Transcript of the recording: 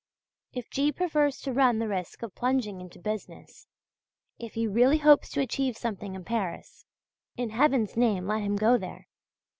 If G. prefers to run the risk of plunging into business; if he really hopes to achieve something in Paris, in Heaven's name let him go there!